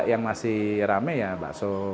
yang masih rame ya bakso